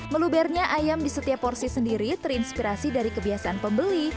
melubernya ayam di setiap porsi sendiri terinspirasi dari kebiasaan pembeli